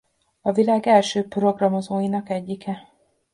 A világ első programozóinak egyike.